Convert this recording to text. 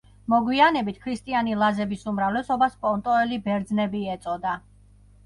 მოგვიანებით ქრისტიანი ლაზების უმრავლესობას პონტოელი ბერძნები ეწოდა.